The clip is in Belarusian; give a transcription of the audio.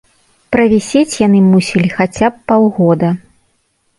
Правісець яны мусілі хаця б паўгода.